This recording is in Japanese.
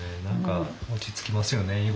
何か落ち着きますよね。